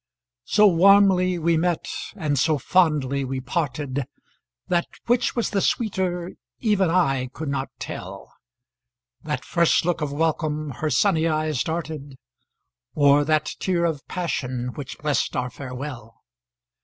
So warmly we met and so fondly we parted, That which was the sweeter even I could not tell, That first look of welcome her sunny eyes darted, Or that tear of passion, which blest our farewell.